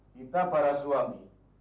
kita para suami